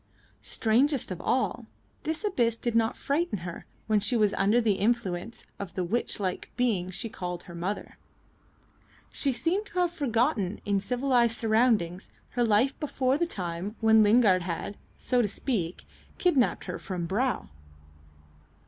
Strangest of all, this abyss did not frighten her when she was under the influence of the witch like being she called her mother. She seemed to have forgotten in civilised surroundings her life before the time when Lingard had, so to speak, kidnapped her from Brow.